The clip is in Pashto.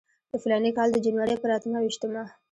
د فلاني کال د جنورۍ پر اته ویشتمه.